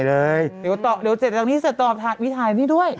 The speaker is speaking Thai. เดี๋ยวต่อเดี๋ยวเจ็บตรงนี้เสร็จต่อวิทย์ถ่ายนี่ด้วย